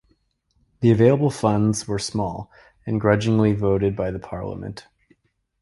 The available funds were small, and grudgingly voted by the parliament.